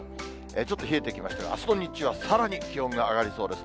ちょっと冷えてきましたが、あすの日中はさらに気温が上がりそうです。